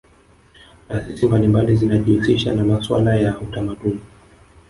taasisi mbalimbali zinajihusisha na masuala ya utamadini